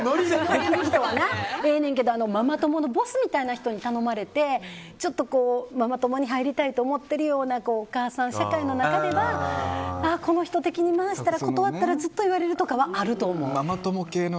できる人はええねんけどママ友のボスみたいな人に頼まれてママ友に入りたいと思っているようなお母さん社会の中ではこの人を敵に回したら断ったらずっと言われるとかあると思う。